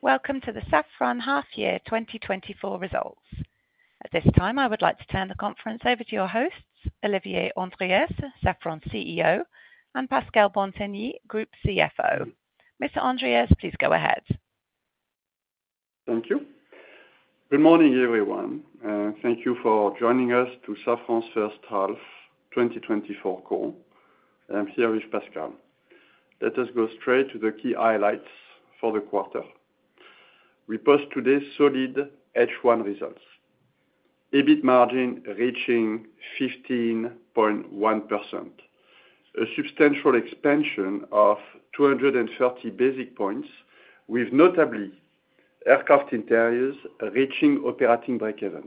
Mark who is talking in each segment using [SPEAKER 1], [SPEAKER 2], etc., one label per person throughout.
[SPEAKER 1] Welcome to the Safran half-year 2024 results. At this time, I would like to turn the conference over to your hosts, Olivier Andriès, Safran CEO, and Pascal Bantegnie, Group CFO. Mr. Andriès, please go ahead.
[SPEAKER 2] Thank you. Good morning, everyone. Thank you for joining us to Safran's first half 2024 call. I'm here with Pascal. Let us go straight to the key highlights for the quarter. We post today's solid H1 results: EBIT margin reaching 15.1%, a substantial expansion of 230 basis points, with notably aircraft interiors reaching operating breakeven,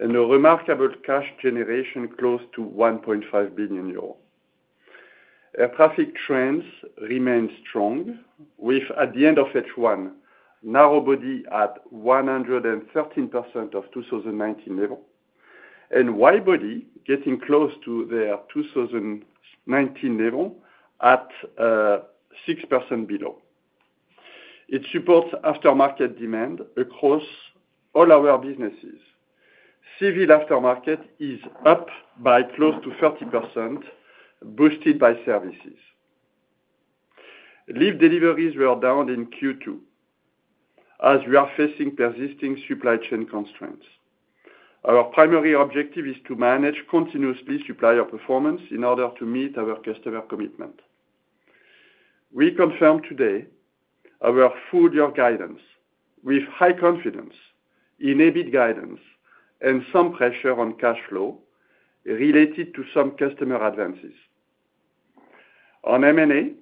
[SPEAKER 2] and a remarkable cash generation close to 1.5 billion euros. Air traffic trends remain strong, with, at the end of H1, narrow body at 113% of 2019 level, and wide body getting close to their 2019 level at 6% below. It supports aftermarket demand across all our businesses. Civil aftermarket is up by close to 30%, boosted by services. LEAP deliveries were down in Q2, as we are facing persisting supply chain constraints. Our primary objective is to manage continuously supplier performance in order to meet our customer commitment. We confirmed today our full-year guidance with high confidence in EBIT guidance and some pressure on cash flow related to some customer advances. On M&A,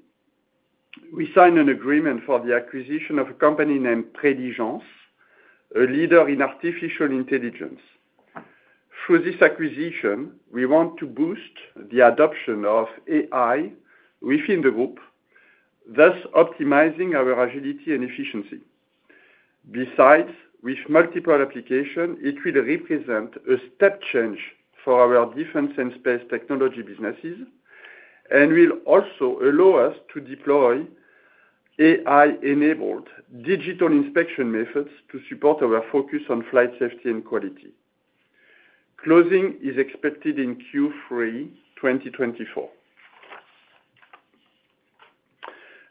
[SPEAKER 2] we signed an agreement for the acquisition of a company named Preligens, a leader in artificial intelligence. Through this acquisition, we want to boost the adoption of AI within the group, thus optimizing our agility and efficiency. Besides, with multiple applications, it will represent a step change for our defense and space technology businesses and will also allow us to deploy AI-enabled digital inspection methods to support our focus on flight safety and quality. Closing is expected in Q3 2024.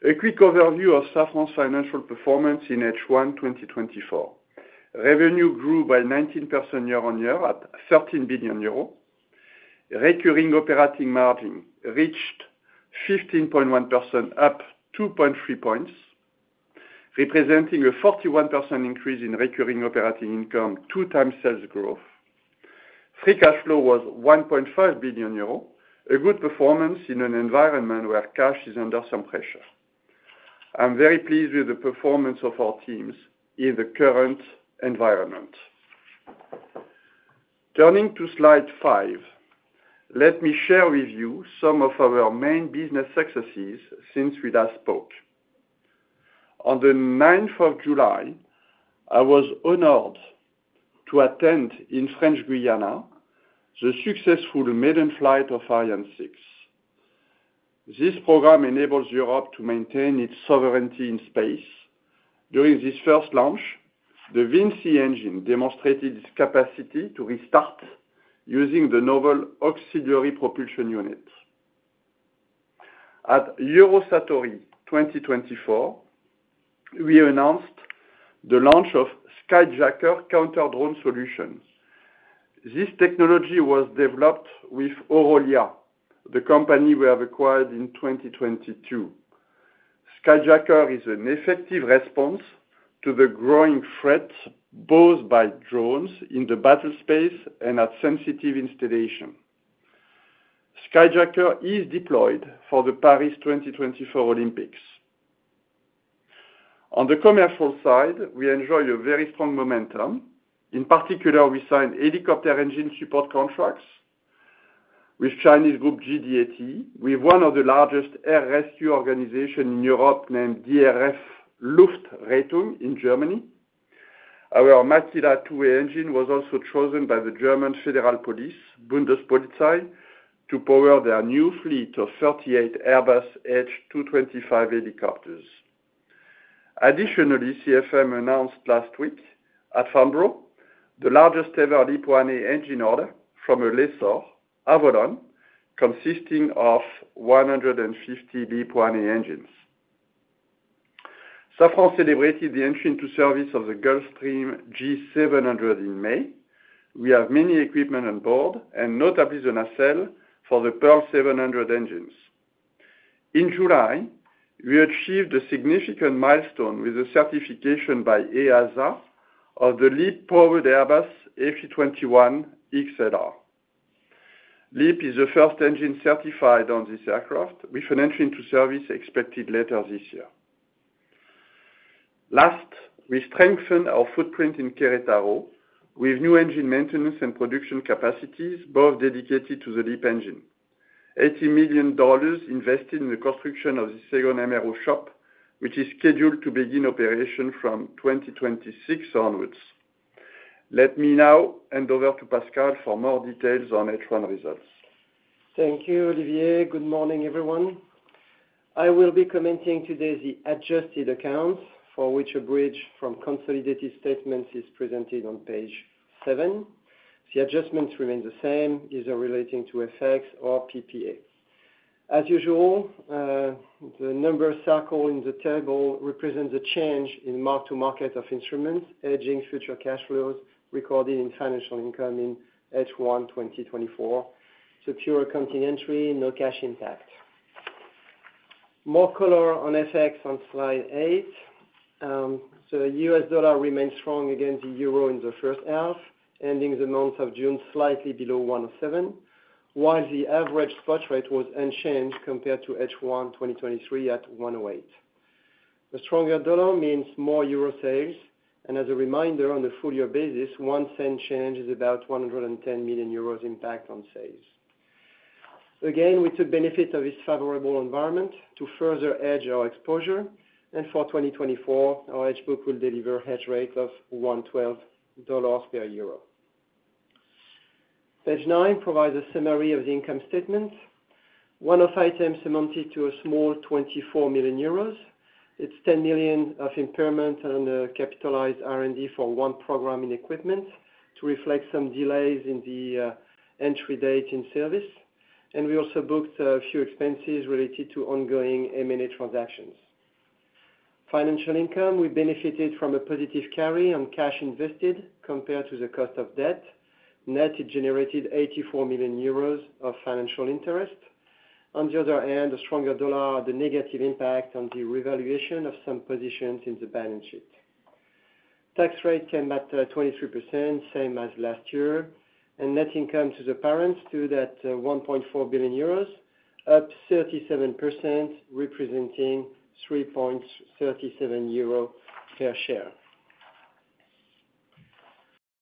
[SPEAKER 2] A quick overview of Safran's financial performance in H1 2024: Revenue grew by 19% year-on-year at 13 billion euros. Recurring operating margin reached 15.1%, up 2.3 points, representing a 41% increase in recurring operating income, two-time sales growth. Free cash flow was 1.5 billion euro, a good performance in an environment where cash is under some pressure. I'm very pleased with the performance of our teams in the current environment. Turning to slide five, let me share with you some of our main business successes since we last spoke. On the 9th of July, I was honored to attend in French Guiana the successful maiden flight of Ariane 6. This program enables Europe to maintain its sovereignty in space. During this first launch, the Vinci engine demonstrated its capacity to restart using the novel auxiliary propulsion unit. At Eurosatory 2024, we announced the launch of Skyjacker counter-drone solutions. This technology was developed with Orolia, the company we have acquired in 2022. Skyjacker is an effective response to the growing threats posed by drones in the battlespace and at sensitive installations. Skyjacker is deployed for the Paris 2024 Olympics. On the commercial side, we enjoy a very strong momentum. In particular, we signed helicopter engine support contracts with Chinese group GDAT, with one of the largest air rescue organizations in Europe named DRF Luftrettung in Germany. Our Makila 2A engine was also chosen by the German federal police, Bundespolizei, to power their new fleet of 38 Airbus H225 helicopters. Additionally, CFM announced last week at Farnborough the largest ever LEAP-1A engine order from a lessor Avolon, consisting of 150 LEAP-1A engines. Safran celebrated the entry into service of the Gulfstream G700 in May. We have many equipment on board, and notably the nacelle for the Pearl 700 engines. In July, we achieved a significant milestone with a certification by EASA of the LEAP-powered Airbus A321XLR. LEAP is the first engine certified on this aircraft, with an entry into service expected later this year. Last, we strengthened our footprint in Querétaro with new engine maintenance and production capacities, both dedicated to the LEAP engine: $80 million invested in the construction of the second MRO shop, which is scheduled to begin operation from 2026 onwards. Let me now hand over to Pascal for more details on H1 results.
[SPEAKER 3] Thank you, Olivier. Good morning, everyone. I will be commenting today on the adjusted accounts for which a bridge from consolidated statements is presented on page seven. The adjustments remain the same, either relating to FX or PPA. As usual, the number circled in the table represents a change in mark-to-market of instruments, hedging future cash flows recorded in financial income in H1 2024. It's a pure accounting entry, no cash impact. More color on FX on slide eight. The US dollar remains strong against the euro in the first half, ending the month of June slightly below 107, while the average spot rate was unchanged compared to H1 2023 at 108. A stronger dollar means more euro sales, and as a reminder, on a full-year basis, one cent change is about 110 million euros impact on sales. Again, we took benefit of this favorable environment to further hedge our exposure, and for 2024, our HBook will deliver a hedge rate of $112 per euro. Page nine provides a summary of the income statement. One-off items amounted to a small 24 million euros. It's 10 million of impairment on the capitalized R&D for one program in equipment to reflect some delays in the entry date in service. And we also booked a few expenses related to ongoing M&A transactions. Financial income, we benefited from a positive carry on cash invested compared to the cost of debt. Net, it generated 84 million euros of financial interest. On the other hand, a stronger dollar had a negative impact on the revaluation of some positions in the balance sheet. Tax rate came back to 23%, same as last year, and net income to the parents stood at 1.4 billion euros, up 37%, representing 3.37 euro per share.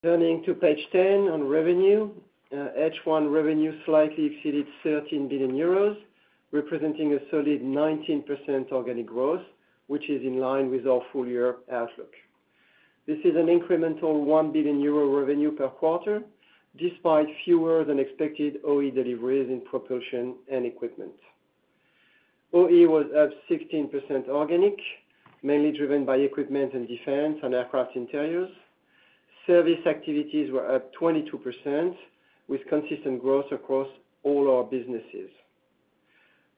[SPEAKER 3] Turning to page 10 on revenue, H1 revenue slightly exceeded 13 billion euros, representing a solid 19% organic growth, which is in line with our full-year outlook. This is an incremental 1 billion euro revenue per quarter, despite fewer than expected OE deliveries in propulsion and equipment. OE was up 16% organic, mainly driven by equipment and defense and aircraft interiors. Service activities were up 22%, with consistent growth across all our businesses.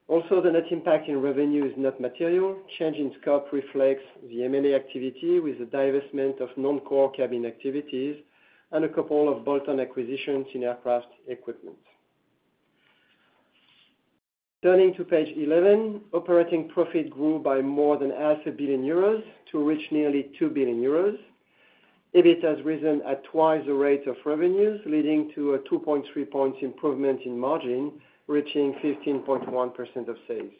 [SPEAKER 3] Also, the net impact in revenue is not material. Change in scope reflects the M&A activity with the divestment of non-core cabin activities and a couple of bolt-on acquisitions in aircraft equipment. Turning to page 11, operating profit grew by more than 500 million euros to reach nearly 2 billion euros. EBIT has risen at twice the rate of revenues, leading to a 2.3 points improvement in margin, reaching 15.1% of sales.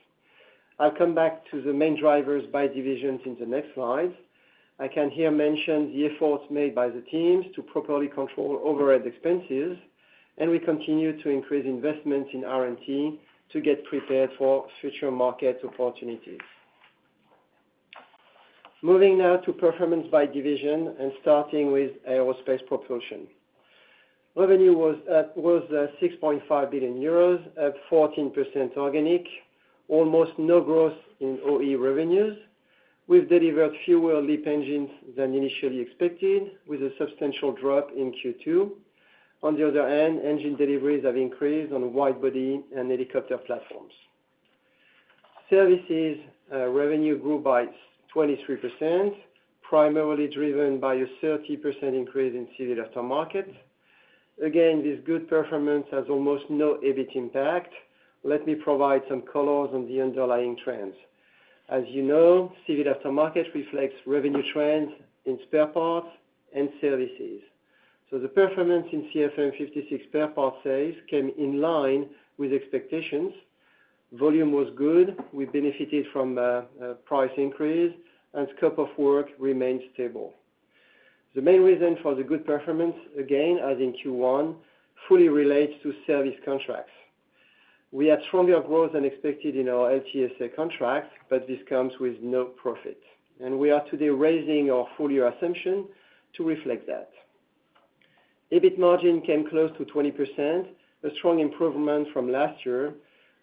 [SPEAKER 3] I'll come back to the main drivers by divisions in the next slides. I can here mention the efforts made by the teams to properly control overhead expenses, and we continue to increase investments in R&T to get prepared for future market opportunities. Moving now to performance by division and starting with aerospace propulsion. Revenue was 6.5 billion euros, up 14% organic, almost no growth in OE revenues. We've delivered fewer LEAP engines than initially expected, with a substantial drop in Q2. On the other hand, engine deliveries have increased on wide body and helicopter platforms. Services revenue grew by 23%, primarily driven by a 30% increase in civil aftermarket. Again, this good performance has almost no EBIT impact. Let me provide some colors on the underlying trends. As you know, civil aftermarket reflects revenue trends in spare parts and services. So the performance in CFM56 spare part sales came in line with expectations. Volume was good. We benefited from a price increase, and scope of work remained stable. The main reason for the good performance, again, as in Q1, fully relates to service contracts. We had stronger growth than expected in our LTSA contracts, but this comes with no profit. And we are today raising our full-year assumption to reflect that. EBIT margin came close to 20%, a strong improvement from last year.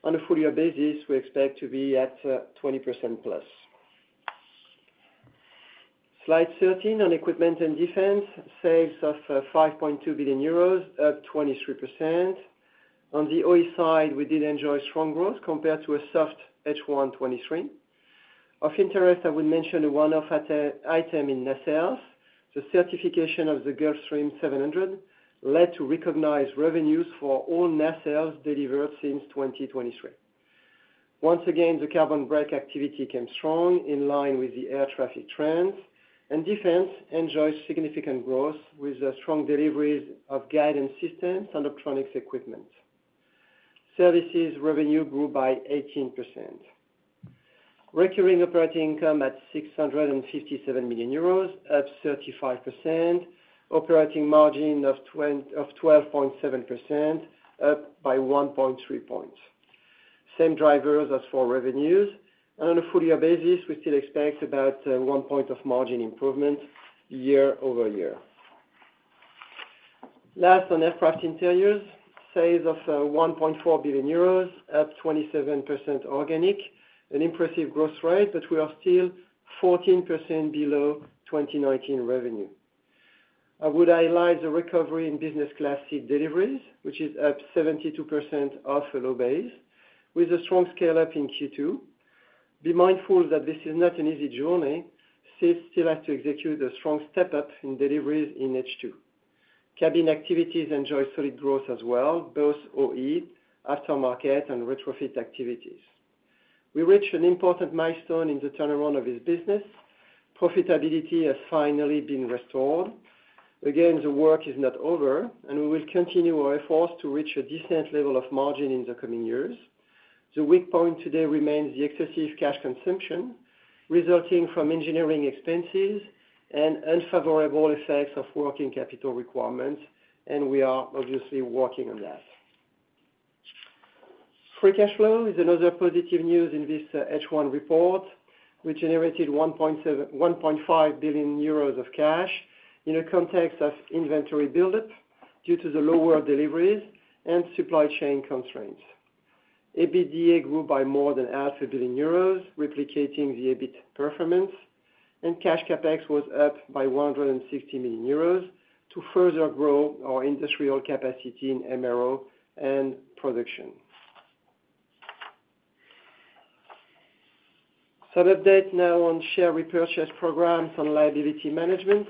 [SPEAKER 3] On a full-year basis, we expect to be at 20%+. Slide 13 on equipment and defense, sales of 5.2 billion euros, up 23%. On the OE side, we did enjoy strong growth compared to a soft H1 2023. Of interest, I would mention a one-off item in nacelles. The certification of the G700 led to recognized revenues for all nacelles delivered since 2023. Once again, the carbon brake activity came strong, in line with the air traffic trends, and defense enjoyed significant growth with strong deliveries of guidance systems and electronics equipment. Services revenue grew by 18%. Recurring operating income at 657 million euros, up 35%. Operating margin of 12.7%, up by 1.3 points. Same drivers as for revenues. On a full-year basis, we still expect about one point of margin improvement year-over-year. Last, on aircraft interiors, sales of 1.4 billion euros, up 27% organic, an impressive growth rate, but we are still 14% below 2019 revenue. I would highlight the recovery in business-class seat deliveries, which is up 72% off a low base, with a strong scale-up in Q2. Be mindful that this is not an easy journey. Sales still have to execute a strong step-up in deliveries in H2. Cabin activities enjoy solid growth as well, both OE, aftermarket, and retrofit activities. We reached an important milestone in the turnaround of this business. Profitability has finally been restored. Again, the work is not over, and we will continue our efforts to reach a decent level of margin in the coming years. The weak point today remains the excessive cash consumption resulting from engineering expenses and unfavorable effects of working capital requirements, and we are obviously working on that. Free cash flow is another positive news in this H1 report. We generated 1.5 billion euros of cash in a context of inventory build-up due to the lower deliveries and supply chain constraints. EBITDA grew by more than 50 billion euros, replicating the EBIT performance, and Cash CapEx was up by 160 million euros to further grow our industrial capacity in MRO and production. Some updates now on share repurchase programs and liability management.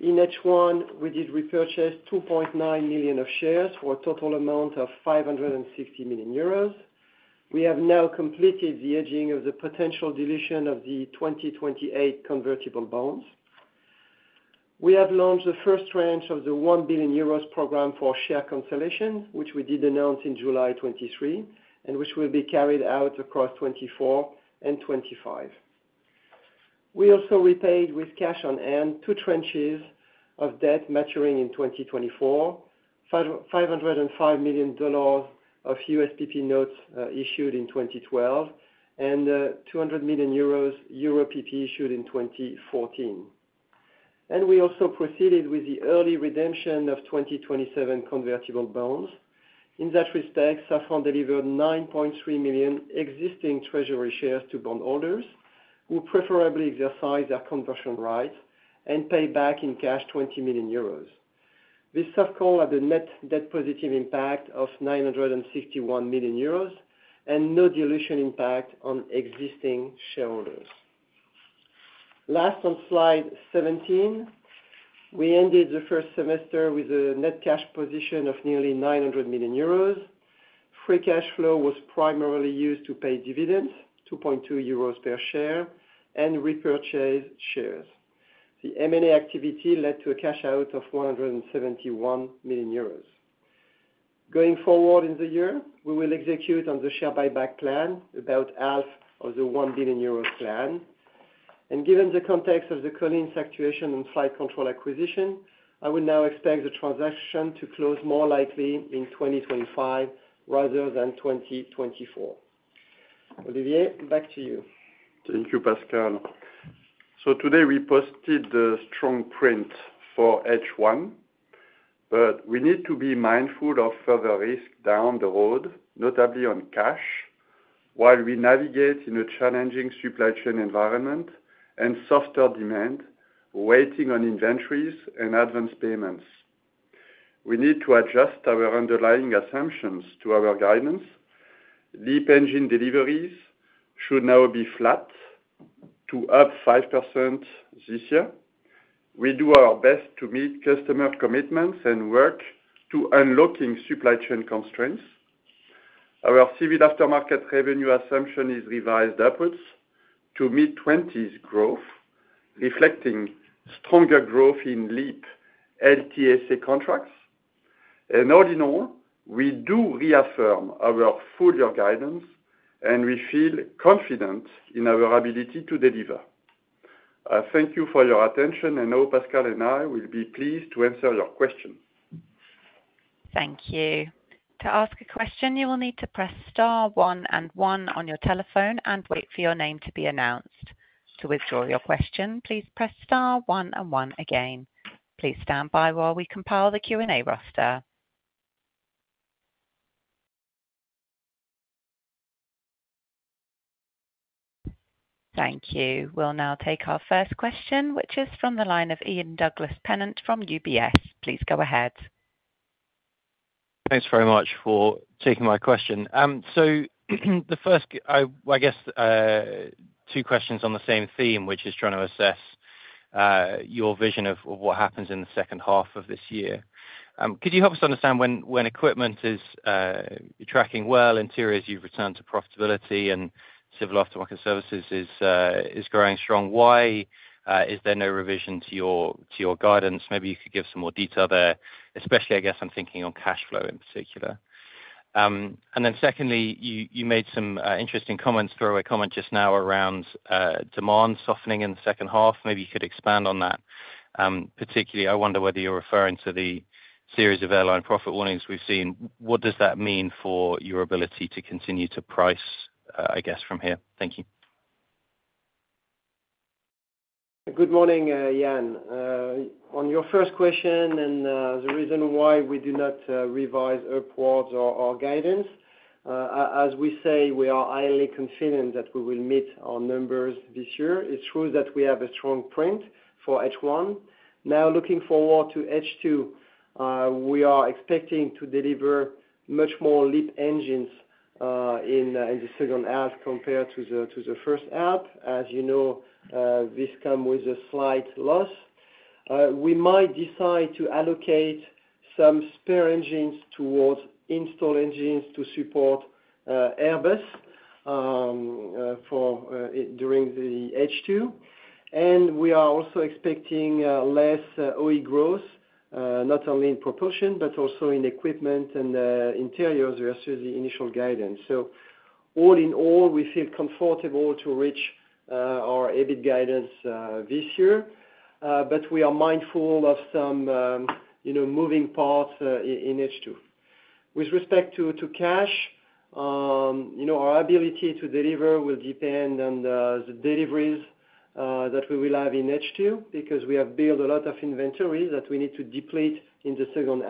[SPEAKER 3] In H1, we did repurchase 2.9 million shares for a total amount of 560 million euros. We have now completed the hedging of the potential dilution of the 2028 convertible bonds. We have launched the first tranche of the 1 billion euros program for share cancellation, which we did announce in July 2023 and which will be carried out across 2024 and 2025. We also repaid with cash on hand two tranches of debt maturing in 2024, $505 million of USPP notes issued in 2012, and 200 million Euro PP issued in 2014. And we also proceeded with the early redemption of 2027 convertible bonds. In that respect, Safran delivered 9.3 million existing treasury shares to bondholders who preferably exercise their conversion rights and pay back in cash 20 million euros. This soft call had a net debt-positive impact of 961 million euros and no dilution impact on existing shareholders. Last, on slide 17, we ended the first semester with a net cash position of nearly 900 million euros. Free cash flow was primarily used to pay dividends, 2.2 euros per share, and repurchase shares. The M&A activity led to a cash out of 171 million euros. Going forward in the year, we will execute on the share buyback plan, about half of the 1 billion euro plan. Given the context of the Collins Aerospace's actuation and flight control acquisition, I would now expect the transaction to close more likely in 2025 rather than 2024. Olivier, back to you.
[SPEAKER 2] Thank you, Pascal. So today, we posted the strong print for H1, but we need to be mindful of further risk down the road, notably on cash, while we navigate in a challenging supply chain environment and softer demand waiting on inventories and advance payments. We need to adjust our underlying assumptions to our guidance. LEAP engine deliveries should now be flat to up 5% this year. We do our best to meet customer commitments and work to unlocking supply chain constraints. Our civil aftermarket revenue assumption is revised upwards to meet 2020s growth, reflecting stronger growth in LEAP LTSA contracts. And all in all, we do reaffirm our full-year guidance, and we feel confident in our ability to deliver. Thank you for your attention, and now, Pascal and I will be pleased to answer your question.
[SPEAKER 1] Thank you. To ask a question, you will need to press star one and one on your telephone and wait for your name to be announced. To withdraw your question, please press star one and one again. Please stand by while we compile the Q&A roster. Thank you. We'll now take our first question, which is from the line of Ian Douglas-Pennant from UBS. Please go ahead.
[SPEAKER 4] Thanks very much for taking my question. So the first, I guess, two questions on the same theme, which is trying to assess your vision of what happens in the second half of this year. Could you help us understand when equipment is tracking well, interiors you've returned to profitability, and civil aftermarket services is growing strong? Why is there no revision to your guidance? Maybe you could give some more detail there, especially, I guess, I'm thinking on cash flow in particular. And then secondly, you made some interesting comments, threw away comment just now around demand softening in the second half. Maybe you could expand on that. Particularly, I wonder whether you're referring to the series of airline profit warnings we've seen. What does that mean for your ability to continue to price, I guess, from here? Thank you.
[SPEAKER 3] Good morning, Ian. On your first question and the reason why we do not revise our quads or our guidance, as we say, we are highly confident that we will meet our numbers this year. It's true that we have a strong print for H1. Now, looking forward to H2, we are expecting to deliver much more LEAP engines in the second half compared to the first half. As you know, this comes with a slight loss. We might decide to allocate some spare engines towards install engines to support Airbus during the H2. And we are also expecting less OE growth, not only in propulsion, but also in equipment and interiors versus the initial guidance. So all in all, we feel comfortable to reach our EBIT guidance this year, but we are mindful of some moving parts in H2. With respect to cash, our ability to deliver will depend on the deliveries that we will have in H2 because we have built a lot of inventories that we need to deplete in the second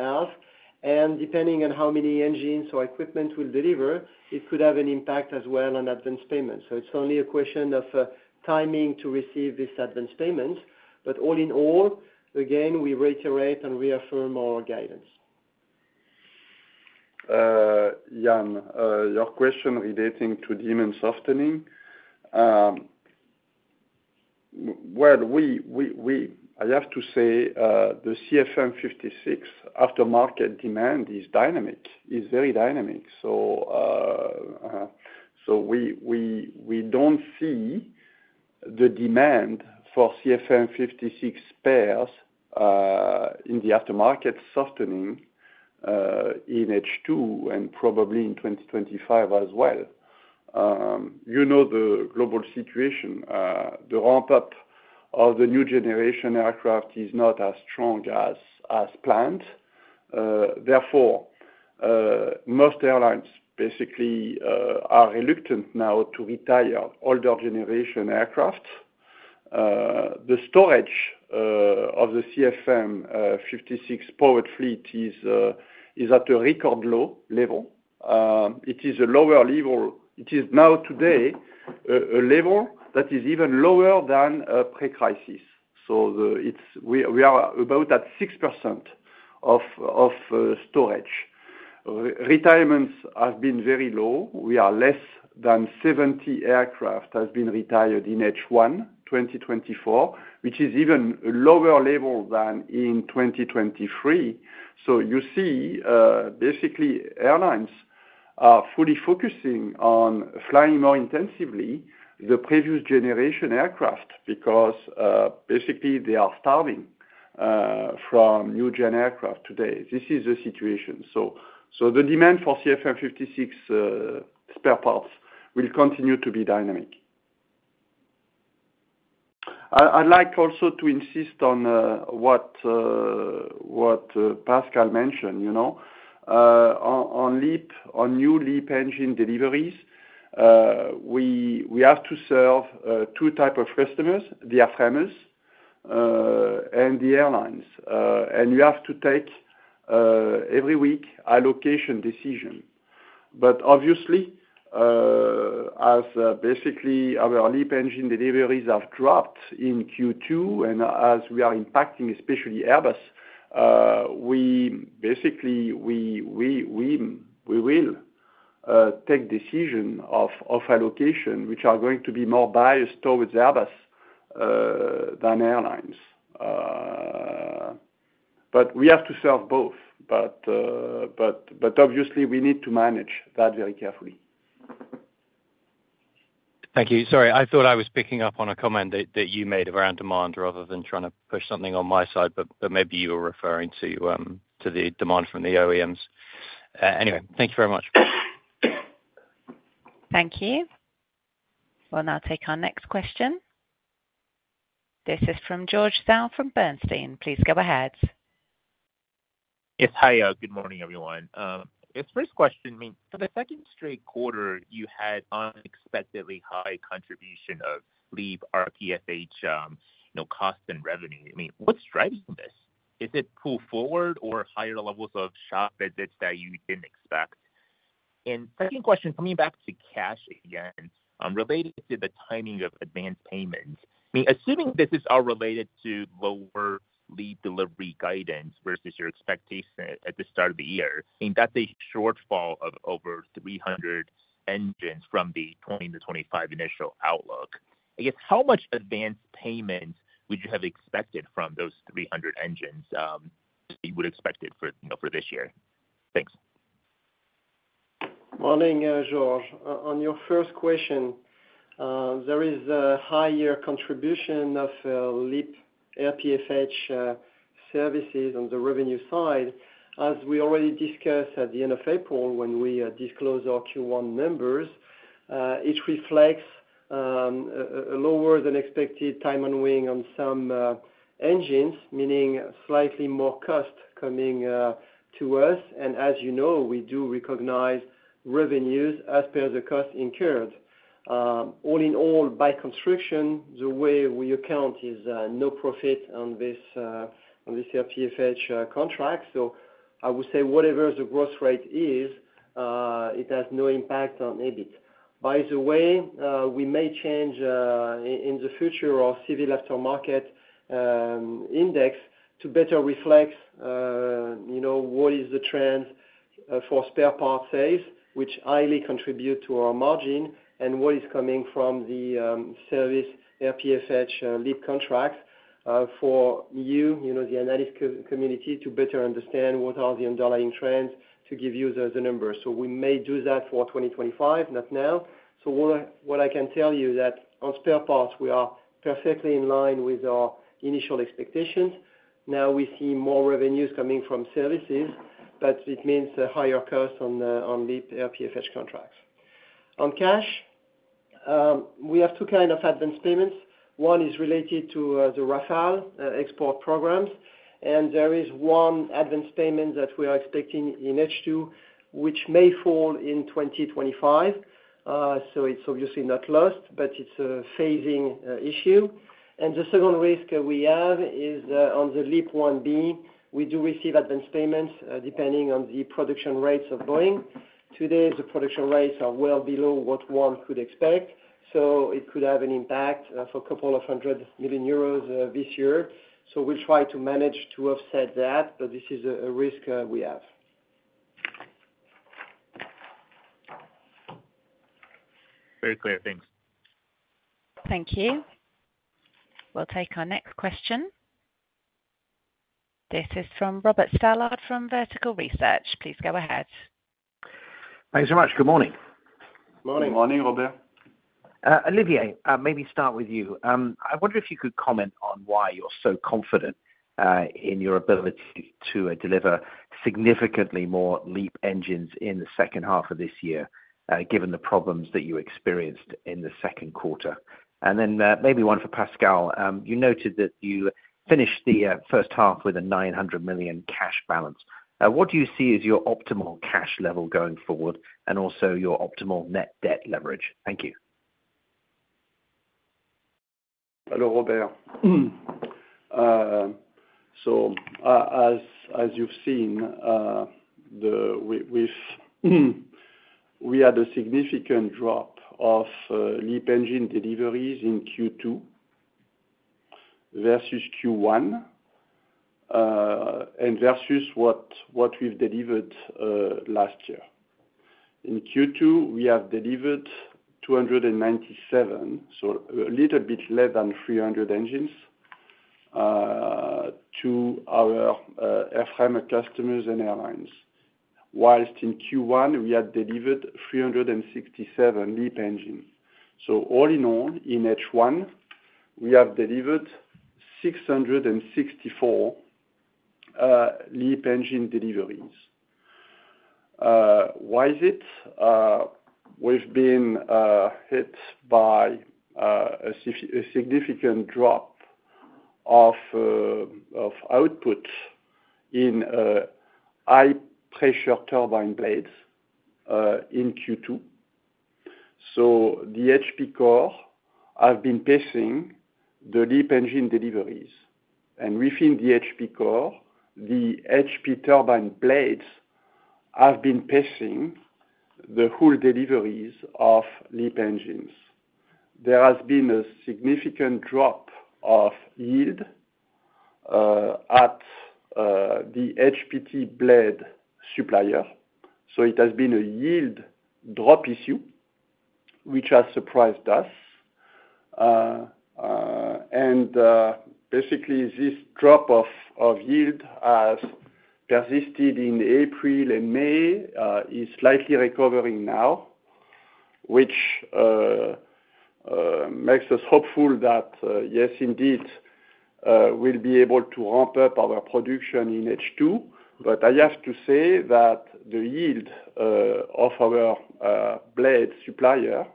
[SPEAKER 3] half. And depending on how many engines or equipment we'll deliver, it could have an impact as well on advance payments. So it's only a question of timing to receive this advance payment. But all in all, again, we reiterate and reaffirm our guidance.
[SPEAKER 2] Ian, your question relating to demand softening. Well, I have to say the CFM56 aftermarket demand is dynamic, is very dynamic. So we don't see the demand for CFM56 spares in the aftermarket softening in H2 and probably in 2025 as well. You know the global situation. The ramp-up of the new generation aircraft is not as strong as planned. Therefore, most airlines basically are reluctant now to retire older generation aircraft. The storage of the CFM56 powered fleet is at a record low level. It is a lower level. It is now today a level that is even lower than pre-crisis. So we are about at 6% of storage. Retirements have been very low. We are less than 70 aircraft that have been retired in H1 2024, which is even a lower level than in 2023. So you see, basically, airlines are fully focusing on flying more intensively the previous generation aircraft because basically they are starving for new-gen aircraft today. This is the situation. So the demand for CFM56 spare parts will continue to be dynamic. I'd like also to insist on what Pascal mentioned. On new LEAP engine deliveries, we have to serve two types of customers, the airframers and the airlines. And you have to take every week an allocation decision. But obviously, as basically our LEAP engine deliveries have dropped in Q2 and as we are impacting, especially Airbus, basically we will take decisions of allocation, which are going to be more biased towards Airbus than airlines. But we have to serve both. But obviously, we need to manage that very carefully.
[SPEAKER 4] Thank you. Sorry, I thought I was picking up on a comment that you made around demand rather than trying to push something on my side, but maybe you were referring to the demand from the OEMs. Anyway, thank you very much.
[SPEAKER 1] Thank you. We'll now take our next question. This is from George Zhao from Bernstein. Please go ahead.
[SPEAKER 5] Yes, hi. Good morning, everyone. This first question, for the second straight quarter, you had unexpectedly high contribution of LEAP RTFH cost and revenue. I mean, what's driving this? Is it pull forward or higher levels of shop visits that you didn't expect? And second question, coming back to cash again, related to the timing of advance payments. I mean, assuming this is all related to lower LEAP delivery guidance versus your expectation at the start of the year, I mean, that's a shortfall of over 300 engines from the 2020 to 2025 initial outlook. I guess, how much advance payment would you have expected from those 300 engines that you would expect for this year? Thanks.
[SPEAKER 3] Morning, George. On your first question, there is a higher contribution of LEAP RTFH services on the revenue side. As we already discussed at the end of April when we disclose our Q1 numbers, it reflects a lower than expected time on wing on some engines, meaning slightly more cost coming to us. As you know, we do recognize revenues as per the cost incurred. All in all, by construction, the way we account is no profit on this RTFH contract. I would say whatever the gross rate is, it has no impact on EBIT. By the way, we may change in the future our civil aftermarket index to better reflect what is the trend for spare part sales, which highly contribute to our margin, and what is coming from the service RTFH LEAP contract for you, the analyst community, to better understand what are the underlying trends to give you the numbers. So we may do that for 2025, not now. So what I can tell you is that on spare parts, we are perfectly in line with our initial expectations. Now we see more revenues coming from services, but it means a higher cost on LEAP RTFH contracts. On cash, we have two kinds of advance payments. One is related to the Rafale export programs, and there is one advance payment that we are expecting in H2, which may fall in 2025. So it's obviously not lost, but it's a phasing issue. The second risk we have is on the LEAP-1B. We do receive advance payments depending on the production rates of Boeing. Today, the production rates are well below what one could expect. It could have an impact for couple of hundred million this year. We'll try to manage to offset that, but this is a risk we have.
[SPEAKER 5] Very clear. Thanks.
[SPEAKER 1] Thank you. We'll take our next question. This is from Robert Stallard from Vertical Research. Please go ahead.
[SPEAKER 6] Thanks so much. Good morning.
[SPEAKER 3] Good morning.
[SPEAKER 2] Good morning, Robert.
[SPEAKER 6] Olivier, maybe start with you. I wonder if you could comment on why you're so confident in your ability to deliver significantly more LEAP engines in the second half of this year, given the problems that you experienced in the second quarter. And then maybe one for Pascal. You noted that you finished the first half with a 900 million cash balance. What do you see as your optimal cash level going forward and also your optimal net debt leverage? Thank you.
[SPEAKER 2] Hello, Robert. So as you've seen, we had a significant drop of LEAP engine deliveries in Q2 versus Q1 and versus what we've delivered last year. In Q2, we have delivered 297, so a little bit less than 300 engines to our OEM customers and airlines, while in Q1, we had delivered 367 LEAP engines. So all in all, in H1, we have delivered 664 LEAP engine deliveries. Why is it? We've been hit by a significant drop of output in high-pressure turbine blades in Q2. So the HP core has been pacing the LEAP engine deliveries. And within the HP core, the HP turbine blades have been pacing the whole deliveries of LEAP engines. There has been a significant drop of yield at the HPT blade supplier. So it has been a yield drop issue, which has surprised us. And basically, this drop of yield has persisted in April and May. It's slightly recovering now, which makes us hopeful that, yes, indeed, we'll be able to ramp up our production in H2. But I have to say that the yield of our blade supplier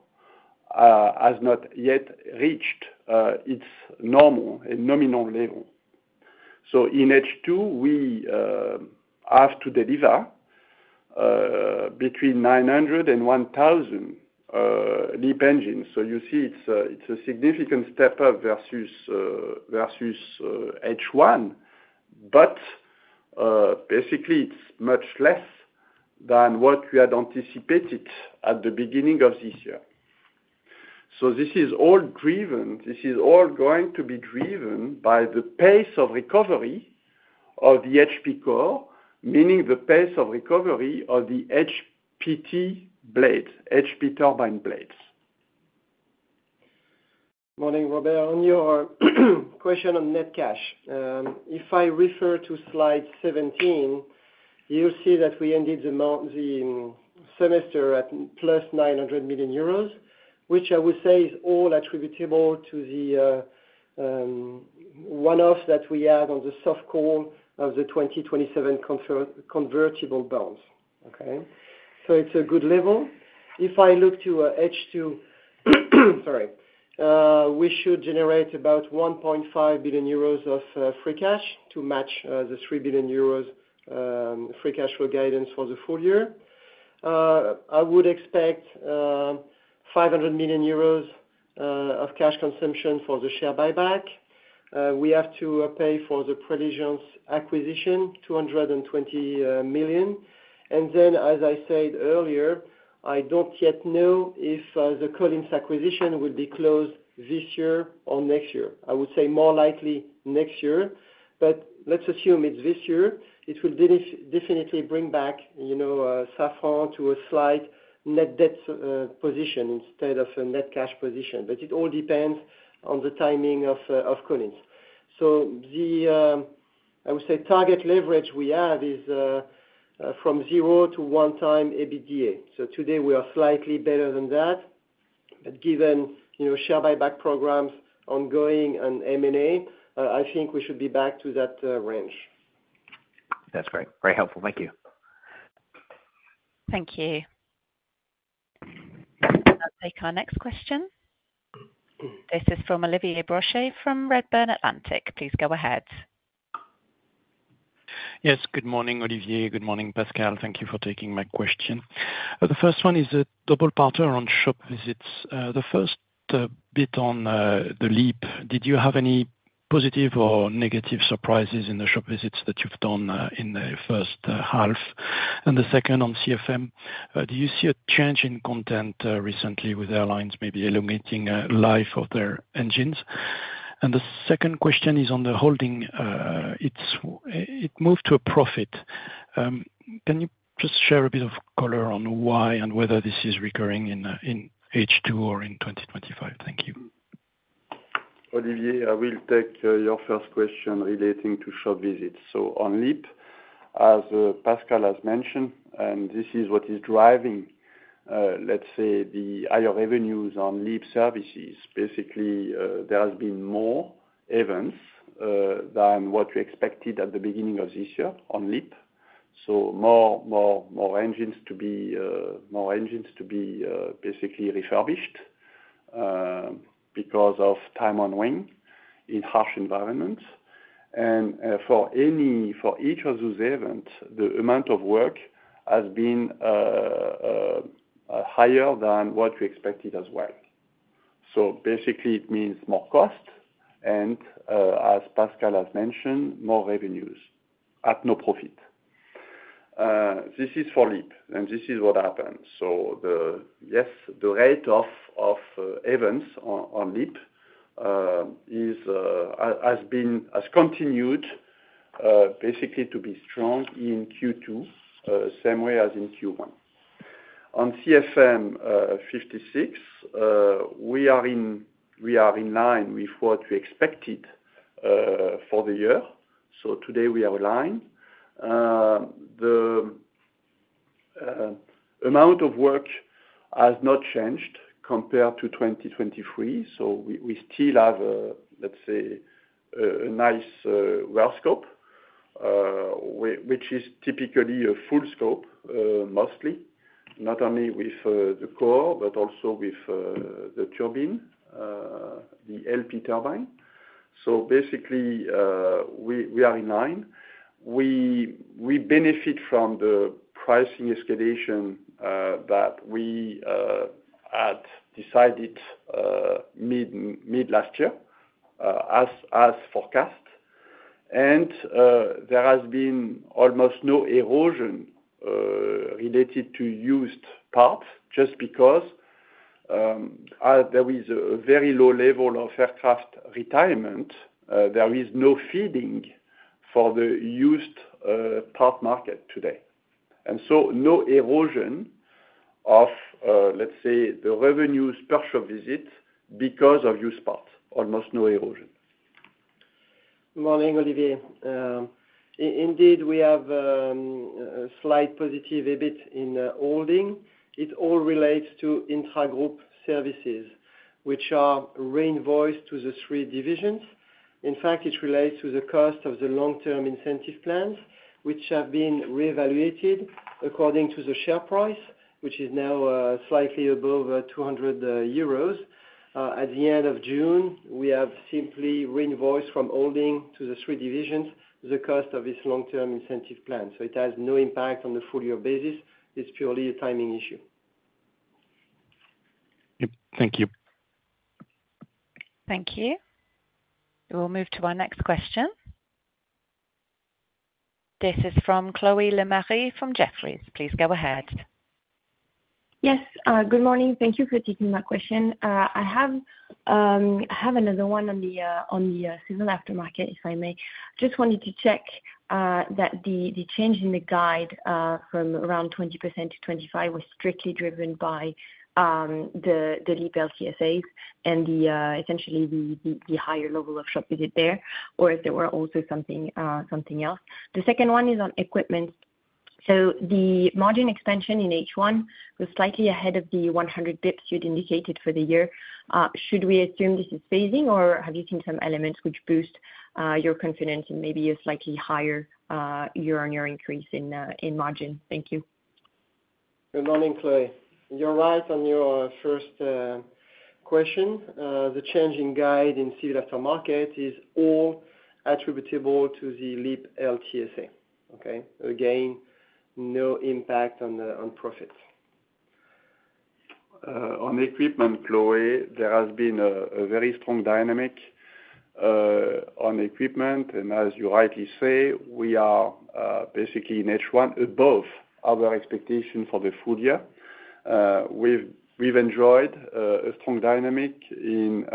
[SPEAKER 2] has not yet reached its normal and nominal level. So in H2, we have to deliver between 900 and 1,000 LEAP engines. So you see, it's a significant step up versus H1, but basically, it's much less than what we had anticipated at the beginning of this year. So this is all driven. This is all going to be driven by the pace of recovery of the HP core, meaning the pace of recovery of the HPT blades, HP turbine blades.
[SPEAKER 3] Morning, Robert. On your question on net cash, if I refer to slide 17, you'll see that we ended the semester at +900 million euros, which I would say is all attributable to the one-off that we had on the soft call of the 2027 convertible bonds. Okay? So it's a good level. If I look to H2, sorry, we should generate about 1.5 billion euros of free cash to match the 3 billion euros free cash flow guidance for the full year. I would expect 500 million euros of cash consumption for the share buyback. We have to pay for the Preligens Acquisition, 220 million. And then, as I said earlier, I don't yet know if the Collins Acquisition will be closed this year or next year. I would say more likely next year, but let's assume it's this year. It will definitely bring back Safran to a slight net debt position instead of a net cash position. But it all depends on the timing of Collins. So the, I would say, target leverage we have is from zero to 1x EBITDA. So today, we are slightly better than that. But given share buyback programs ongoing and M&A, I think we should be back to that range.
[SPEAKER 6] That's great. Very helpful. Thank you.
[SPEAKER 1] Thank you. We'll now take our next question. This is from Olivier Brochet from Redburn Atlantic. Please go ahead.
[SPEAKER 7] Yes, good morning, Olivier. Good morning, Pascal. Thank you for taking my question. The first one is a double pattern on shop visits. The first bit on the Leap, did you have any positive or negative surprises in the shop visits that you've done in the first half? And the second on CFM, do you see a change in content recently with airlines maybe elongating life of their engines? And the second question is on the holding. It moved to a profit. Can you just share a bit of color on why and whether this is recurring in H2 or in 2025? Thank you.
[SPEAKER 2] Olivier, I will take your first question relating to shop visits. So on LEAP, as Pascal has mentioned, and this is what is driving, let's say, the higher revenues on LEAP services. Basically, there has been more events than what we expected at the beginning of this year on LEAP. So more engines to be more engines to be basically refurbished because of time on wing in harsh environments. And for each of those events, the amount of work has been higher than what we expected as well. So basically, it means more cost, and as Pascal has mentioned, more revenues at no profit. This is for LEAP, and this is what happened. So yes, the rate of events on LEAP has continued basically to be strong in Q2, same way as in Q1. On CFM56, we are in line with what we expected for the year. So today, we are aligned. The amount of work has not changed compared to 2023. We still have, let's say, a nice work scope, which is typically a full scope mostly, not only with the core, but also with the turbine, the LP turbine. Basically, we are in line. We benefit from the pricing escalation that we had decided mid-last year as forecast. There has been almost no erosion related to used parts just because there is a very low level of aircraft retirement. There is no feeding for the used part market today. So no erosion of, let's say, the revenues per shop visit because of used parts. Almost no erosion.
[SPEAKER 3] Morning, Olivier. Indeed, we have a slight positive EBIT in holding. It all relates to intra-group services, which are reinvoiced to the three divisions. In fact, it relates to the cost of the long-term incentive plans, which have been reevaluated according to the share price, which is now sligetly above 200 euros. At the end of June, we have simply reinvoiced from holding to the three divisions the cost of this long-term incentive plan. So it has no impact on the full-year basis. It's purely a timing issue.
[SPEAKER 7] Thank you.
[SPEAKER 1] Thank you. We'll move to our next question. This is from Chloe Lemarie from Jefferies. Please go ahead.
[SPEAKER 8] Yes. Good morning. Thank you for taking my question. I have another one on the seasonal aftermarket, if I may. Just wanted to check that the change in the guide from around 20% to 25% was strictly driven by the LEAP LTSAs and essentially the higher level of shop visit there, or if there were also something else. The second one is on equipment. So the margin expansion in H1 was slightly ahead of the 100 bps you'd indicated for the year. Should we assume this is phasing, or have you seen some elements which boost your confidence in maybe a slightly higher year-on-year increase in margin? Thank you.
[SPEAKER 3] Good morning, Chloe. You're right on your first question. The change in guide in civil aftermarket is all attributable to the LEAP LTSA. Okay? Again, no impact on profits.
[SPEAKER 2] On equipment, Chloe, there has been a very strong dynamic on equipment. As you rightly say, we are basically in H1 above our expectation for the full year. We've enjoyed a strong dynamic in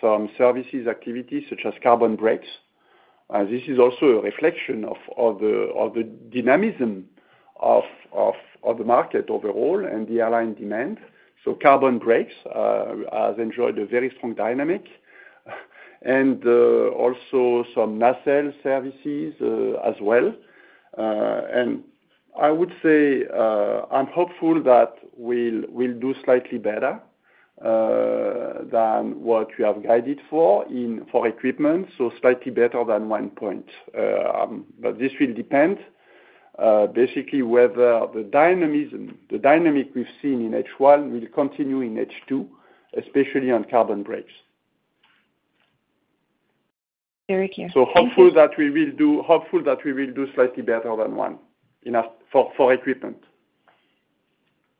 [SPEAKER 2] some services activities such as carbon brakes. This is also a reflection of the dynamism of the market overall and the airline demand. So carbon brakes has enjoyed a very strong dynamic. And also some nacelle services as well. And I would say I'm hopeful that we'll do slightly better than what we have guided for equipment, so slightly better than one point. But this will depend basically whether the dynamic we've seen in H1 will continue in H2, especially on carbon brakes.
[SPEAKER 8] Very clear.
[SPEAKER 2] So hopeful that we will do slightly better than one for equipment.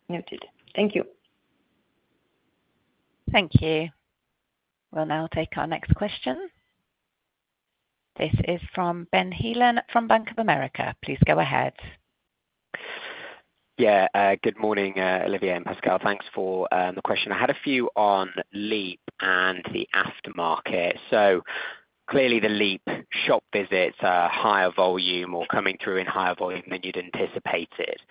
[SPEAKER 8] Noted. Thank you.
[SPEAKER 1] Thank you. We'll now take our next question. This is from Ben Heelen from Bank of America. Please go ahead.
[SPEAKER 9] Yeah. Good morning, Olivier and Pascal. Thanks for the question. I had a few on LEAP and the aftermarket. So clearly, the LEAP shop visits are higher volume or coming through in higher volume than you'd anticipated.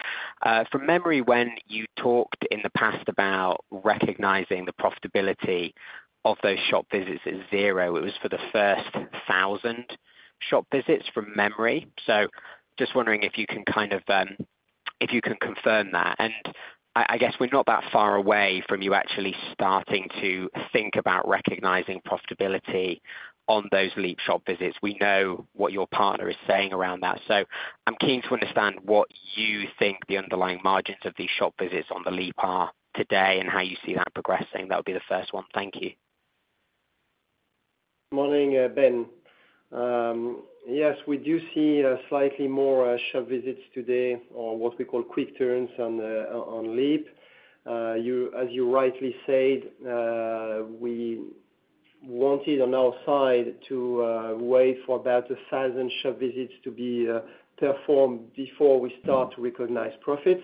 [SPEAKER 9] From memory, when you talked in the past about recognizing the profitability of those shop visits as zero, it was for the first 1,000 shop visits, from memory. So just wondering if you can kind of if you can confirm that. And I guess we're not that far away from you actually starting to think about recognizing profitability on those LEAP shop visits. We know what your partner is saying around that. So I'm keen to understand what you think the underlying margins of these shop visits on the LEAP are today and how you see that progressing. That would be the first one. Thank you.
[SPEAKER 3] Morning, Ben. Yes, we do see slightly more shop visits today on what we call quick turns on LEAP. As you rightly said, we wanted on our side to wait for about 1,000 shop visits to be performed before we start to recognize profits.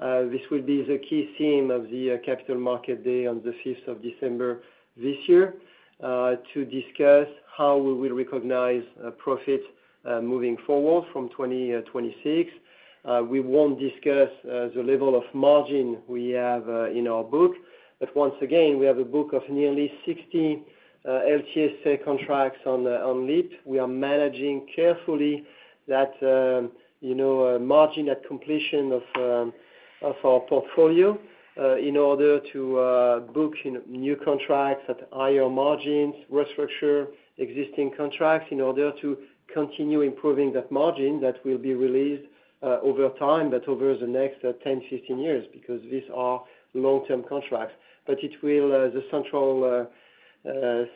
[SPEAKER 3] This will be the key theme of the capital market day on the 5th of December this year to discuss how we will recognize profits moving forward from 2026. We won't discuss the level of margin we have in our book. But once again, we have a book of nearly 60 LTSA contracts on LEAP. We are managing carefully that margin at completion of our portfolio in order to book new contracts at higher margins, restructure existing contracts in order to continue improving that margin that will be released over time, but over the next 10, 15 years because these are long-term contracts. It will be the central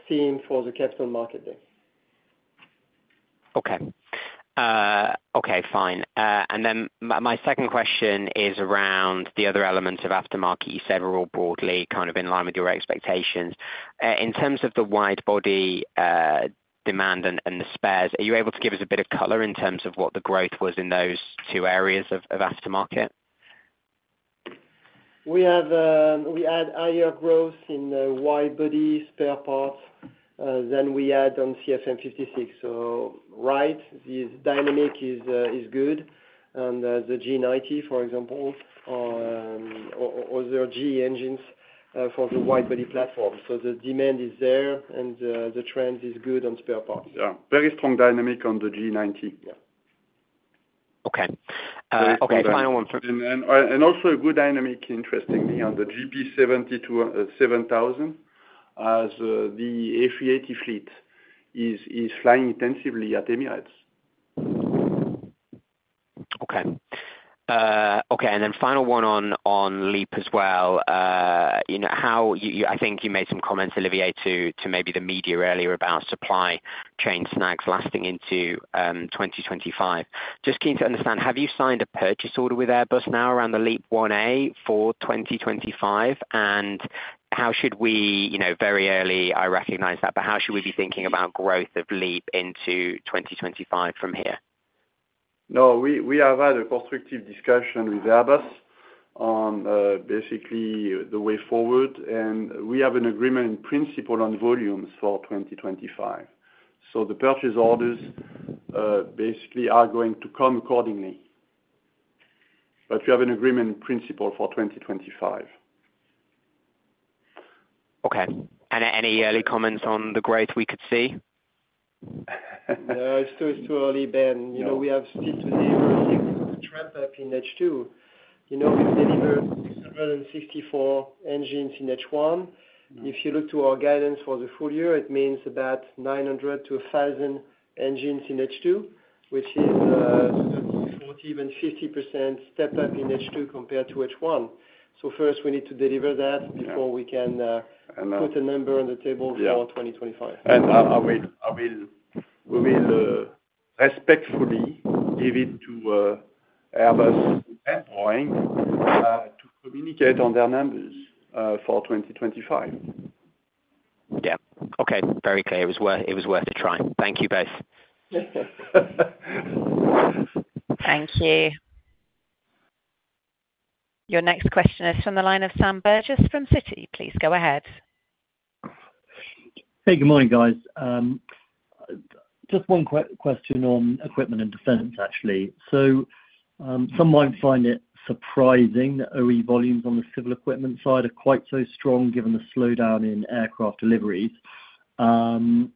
[SPEAKER 3] theme for the capital market day.
[SPEAKER 9] Okay. Okay, fine. And then my second question is around the other elements of aftermarket. You said we're all broadly kind of in line with your expectations. In terms of the wide-body demand and the spares, are you able to give us a bit of color in terms of what the growth was in those two areas of aftermarket?
[SPEAKER 3] We had higher growth in wide-body spare parts than we had on CFM56. So right, this dynamic is good. And the GE90, for example, or other GE engines for the wide-body platform. So the demand is there, and the trend is good on spare parts.
[SPEAKER 2] Yeah. Very strong dynamic on the GE90.
[SPEAKER 3] Yeah.
[SPEAKER 9] Okay. Okay, final one.
[SPEAKER 2] Also a good dynamic, interestingly, on the GP7000 as the A380 fleet is flying intensively at Emirates.
[SPEAKER 9] Okay. Okay. And then final one on LEAP as well. I think you made some comments, Olivier, to maybe the media earlier about supply chain snags lasting into 2025. Just keen to understand, have you signed a purchase order with Airbus now around the LEAP-1A for 2025? And how should we, very early, I recognize that, but how should we be thinking about growth of LEAP into 2025 from here?
[SPEAKER 2] No, we have had a constructive discussion with Airbus on basically the way forward. And we have an agreement in principle on volumes for 2025. So the purchase orders basically are going to come accordingly. But we have an agreement in principle for 2025.
[SPEAKER 9] Okay. And any early comments on the growth we could see?
[SPEAKER 3] No, it's too early, Ben. We have still to deliver a trade pack in H2. We've delivered 264 engines in H1. If you look to our guidance for the full year, it means about 900-1,000 engines in H2, which is 30%, 40%, even 50% step-up in H2 compared to H1. So first, we need to deliver that before we can put a number on the table for 2025.
[SPEAKER 2] We will respectfully give it to Airbus' standpoint to communicate on their numbers for 2025.
[SPEAKER 9] Yeah. Okay. Very clear. It was worth a try. Thank you both.
[SPEAKER 1] Thank you. Your next question is from the line of Sam Burgess from Citi. Please go ahead.
[SPEAKER 10] Hey, good morning, guys. Just one question on equipment and defense, actually. Some might find it surprising that OE volumes on the civil equipment side are quite so strong given the slowdown in aircraft deliveries. Given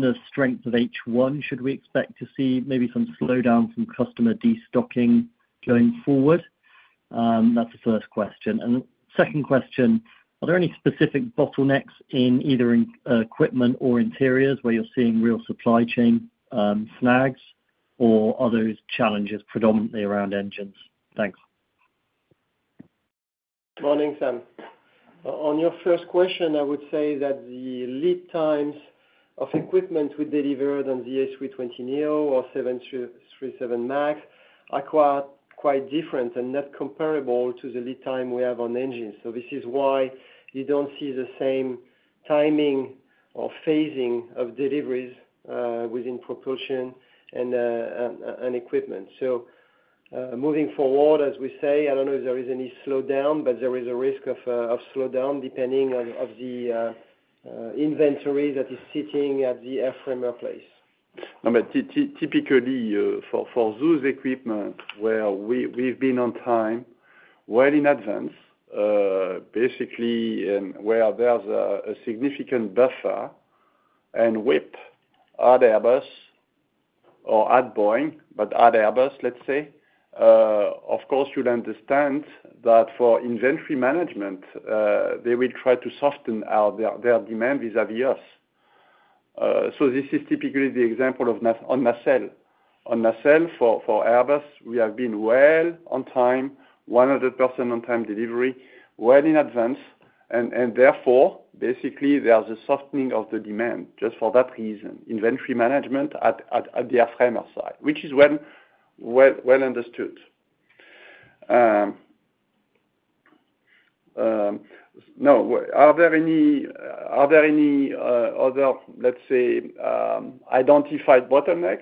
[SPEAKER 10] the strength of H1, should we expect to see maybe some slowdown from customer destocking going forward? That's the first question. Second question, are there any specific bottlenecks in either equipment or interiors where you're seeing real supply chain snags, or are those challenges predominantly around engines? Thanks.
[SPEAKER 3] Morning, Sam. On your first question, I would say that the lead times of equipment we delivered on the A320neo or 737 MAX are quite different and not comparable to the lead time we have on engines. So this is why you don't see the same timing or phasing of deliveries within propulsion and equipment. So moving forward, as we say, I don't know if there is any slowdown, but there is a risk of slowdown depending on the inventory that is sitting at the airframe or place.
[SPEAKER 2] No, but typically, for those equipment where we've been on time well in advance, basically where there's a significant buffer and whip at Airbus or at Boeing, but at Airbus, let's say, of course, you'll understand that for inventory management, they will try to soften out their demand vis-à-vis us. So this is typically the example of on nacelle. On nacelle for Airbus, we have been well on time, 100% on-time delivery, well in advance. And therefore, basically, there's a softening of the demand just for that reason, inventory management at the airframer's side, which is well understood. No, are there any other, let's say, identified bottlenecks?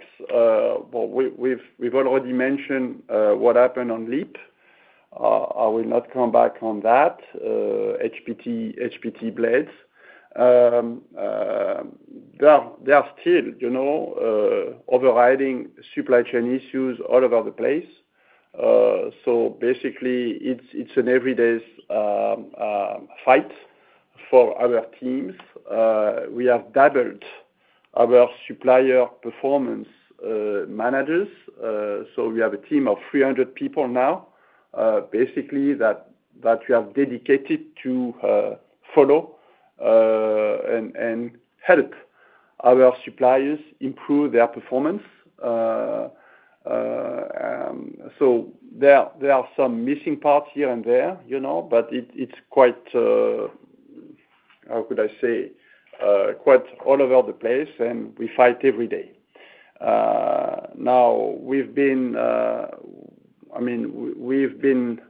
[SPEAKER 2] We've already mentioned what happened on Leap. I will not come back on that, HPT blades. There are still overriding supply chain issues all over the place. So basically, it's an everyday fight for our teams. We have doubled our supplier performance managers. So we have a team of 300 people now, basically, that we have dedicated to follow and help our suppliers improve their performance. So there are some missing parts here and there, but it's quite, how could I say, quite all over the place, and we fight every day. Now, we've been—I mean, we've been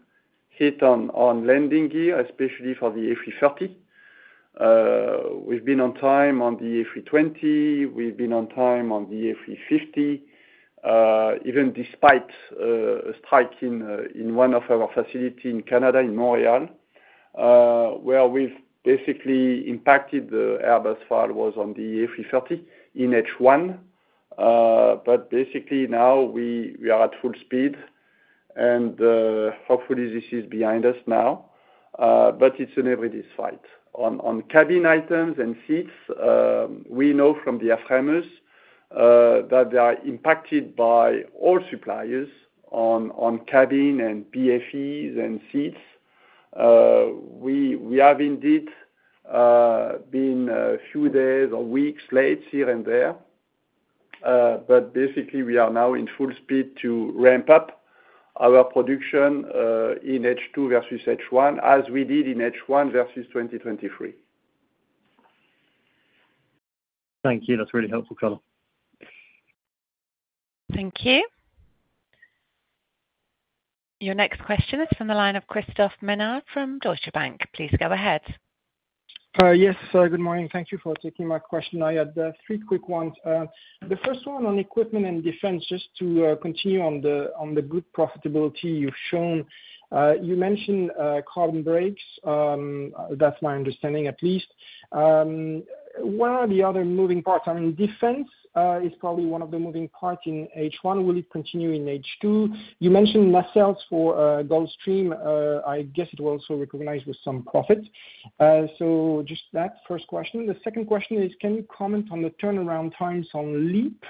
[SPEAKER 2] hit on landing gear, especially for the A330. We've been on time on the A320. We've been on time on the A350, even despite a strike in one of our facilities in Canada, in Montreal, where we've basically impacted the Airbus file was on the A330 in H1. But basically, now we are at full speed, and hopefully, this is behind us now. But it's an everyday fight. On cabin items and seats, we know from the airframes that they are impacted by all suppliers on cabin and BFEs and seats. We have indeed been a few days or weeks late here and there. But basically, we are now in full speed to ramp up our production in H2 versus H1, as we did in H1 versus 2023.
[SPEAKER 10] Thank you. That's really helpful, colour.
[SPEAKER 1] Thank you. Your next question is from the line of Christophe Menard from Deutsche Bank. Please go ahead.
[SPEAKER 11] Yes, good morning. Thank you for taking my question. I had three quick ones. The first one on equipment and defense, just to continue on the good profitability you've shown. You mentioned carbon brakes. That's my understanding, at least. What are the other moving parts? I mean, defense is probably one of the moving parts in H1. Will it continue in H2? You mentioned nacelles for Gulfstream. I guess it was also recognized with some profits. So just that first question. The second question is, can you comment on the turnaround times on LEAP?